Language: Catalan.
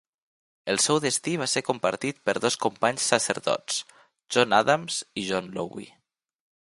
El seu destí va ser compartit per dos companys sacerdots, John Adams i John Lowe.